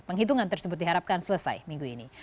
penghitungan tersebut diharapkan selesai minggu ini